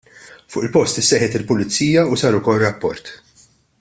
Fuq il-post issejħet il-Pulizija u sar ukoll rapport.